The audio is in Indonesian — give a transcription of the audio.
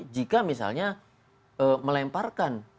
jika misalnya melemparkan